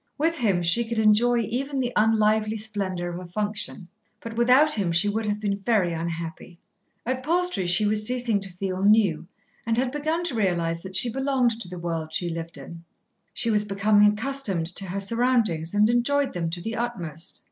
With him she could enjoy even the unlively splendour of a function, but without him she would have been very unhappy. At Palstrey she was ceasing to feel new, and had begun to realise that she belonged to the world she lived in. She was becoming accustomed to her surroundings, and enjoyed them to the utmost.